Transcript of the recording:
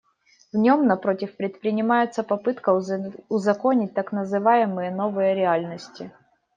В нем, напротив, предпринимается попытка узаконить так называемые новые реальности.